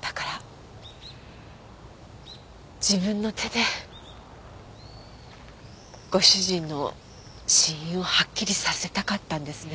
だから自分の手でご主人の死因をはっきりさせたかったんですね？